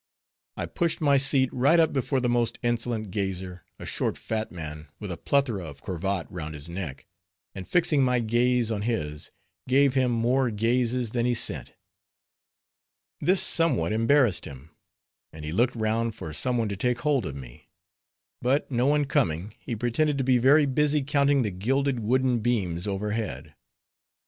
I pushed my seat right up before the most insolent gazer, a short fat man, with a plethora of cravat round his neck, and fixing my gaze on his, gave him more gazes than he sent. This somewhat embarrassed him, and he looked round for some one to take hold of me; but no one coming, he pretended to be very busy counting the gilded wooden beams overhead.